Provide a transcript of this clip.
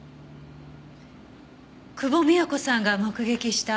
久保美也子さんが目撃した